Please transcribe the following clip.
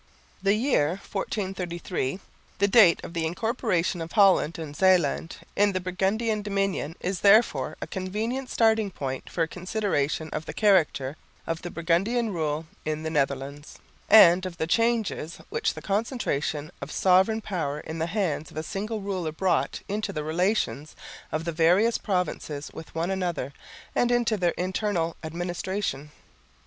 The year 1433, the date of the incorporation of Holland and Zeeland in the Burgundian dominion, is therefore a convenient starting point for a consideration of the character of the Burgundian rule in the Netherlands, and of the changes which the concentration of sovereign power in the hands of a single ruler brought into the relations of the various provinces with one another and into their internal administration.